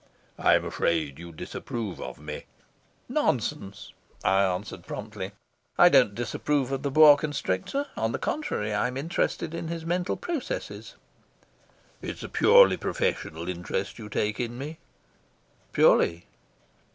"I'm afraid you disapprove of me?" "Nonsense," I answered promptly; "I don't disapprove of the boa constrictor; on the contrary, I'm interested in his mental processes." "It's a purely professional interest you take in me?" "Purely."